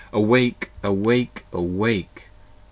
awake! awake! awake!